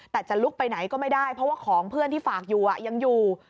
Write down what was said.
แต่จะลุกไปไหนก็ไม่ได้เพราะว่าของเพื่อนที่ฝากอยู่ยังอยู่